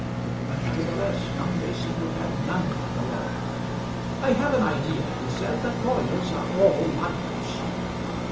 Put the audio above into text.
But nevertheless young Mason would have none of the law. "I have an idea," he said, "that lawyers are all liars."